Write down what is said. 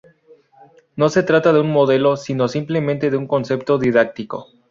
No se trata de un modelo, sino simplemente de un concepto didáctico.